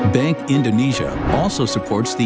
bank indonesia juga mendukung